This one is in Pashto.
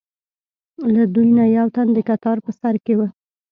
له دوی نه یو تن د کتار په سر کې و.